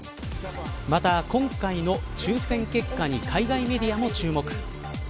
また、今回の抽選結果に海外メディアも注目。